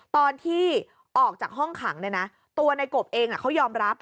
ตอนที่ออกจากห้องขังตัวในกบเองเขายอมรับ